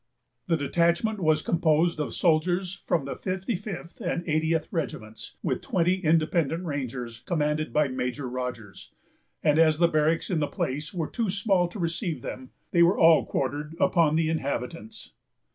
The detachment was composed of soldiers from the 55th and 80th Regiments, with twenty independent rangers, commanded by Major Rogers; and as the barracks in the place were too small to receive them, they were all quartered upon the inhabitants.